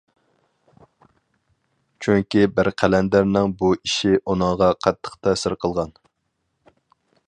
چۈنكى بىر قەلەندەرنىڭ بۇ ئىشى ئۇنىڭغا قاتتىق تەسىر قىلغان.